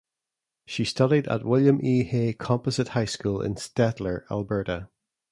She studied at William E. Hay Composite High School in Stettler, Alberta.